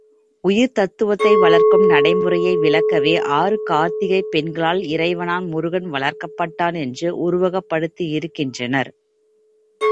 உயிர்த் தத்துவத்தை வளர்க்கும் நடைமுறையை விளக்கவே ஆறு கார்த்திகைப் பெண்களால் இறைவனாம் முருகன் வளர்க்கப்பட்டான் என்று உருவகப்படுத்தியிருக்கின்றனர்.